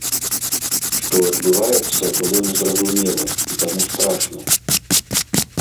Што адбываецца, было незразумела і таму страшна.